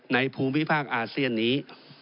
ภูมิภาคอาเซียนนี้